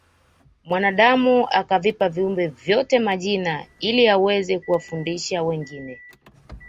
mwanadamu akavipa viumbe vyote majina ili aweze kuwafundisha wengine